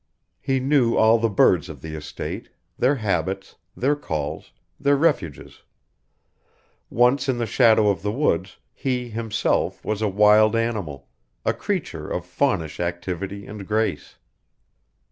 He knew all the birds of the estate, their habits, their calls, their refuges. Once in the shadow of the woods, he himself was a wild animal, a creature of faunish activity and grace.